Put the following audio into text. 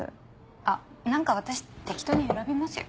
あ何か私適当に選びますよ。